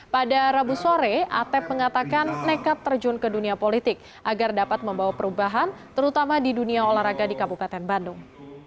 pada rabu sore atep mengatakan nekat terjun ke dunia politik agar dapat membawa perubahan terutama di dunia olahraga di kabupaten bandung